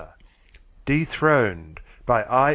DETHRONED BY I.